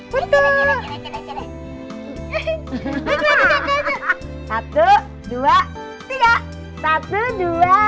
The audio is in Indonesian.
cus juga dong